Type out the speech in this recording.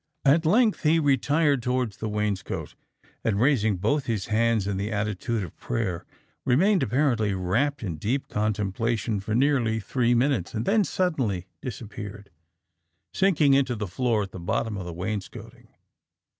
"At length he retired towards the wainscot, and raising both his hands in the attitude of prayer, remained apparently wrapped in deep contemplation for nearly three minutes, and then suddenly disappeared sinking into the floor at the bottom of the wainscotting.